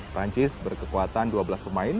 perancis berkekuatan dua belas pemain